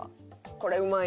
「これうまいな」